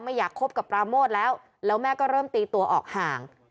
อยากคบกับปราโมทแล้วแล้วแม่ก็เริ่มตีตัวออกห่าง